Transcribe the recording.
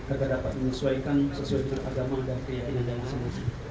agar dapat menyesuaikan sesuai dengan agama dan keyakinan agama indonesia